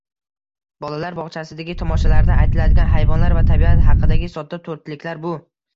Bolalar bog‘chasidagi tomoshalarda aytiladigan hayvonlar va tabiat haqidagi sodda to‘rtliklar – bu